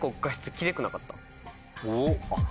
おっ。